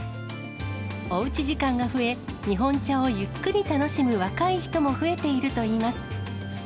おうち時間が増え、日本茶をゆっくり楽しむ若い人も増えているといいます。